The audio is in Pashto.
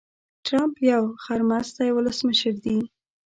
ټرمپ يو خرمستی ولسمشر دي.